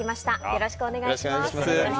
よろしくお願いします。